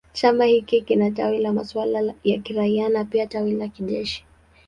Chama hiki kina tawi la masuala ya kiraia na pia tawi la kijeshi.